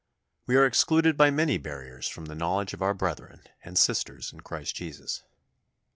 We are excluded by many barriers from the knowledge of our brethren and sisters in Christ Jesus.